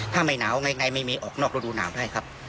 ถ้าไม่หนาวไงไม่มีออกนอกรูดูหนาวได้ครับ